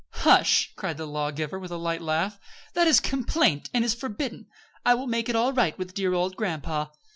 "Hush!" cried the law giver, with a light laugh. "That is complaint, and is forbidden. I will make it all right with dear old grandpa."